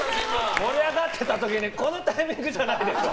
盛り上がってた時にこのタイミングじゃないでしょ。